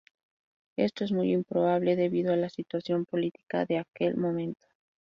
Esto es muy improbable, debido a la situación política de aquel momento.